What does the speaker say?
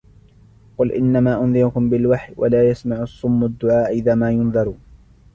قُلْ إِنَّمَا أُنْذِرُكُمْ بِالْوَحْيِ وَلَا يَسْمَعُ الصُّمُّ الدُّعَاءَ إِذَا مَا يُنْذَرُونَ